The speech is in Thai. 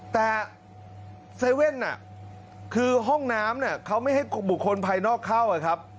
แต่เซเว่นคือห้องน้ำเขาไม่ให้บุคคลภายนอกเข้าครับ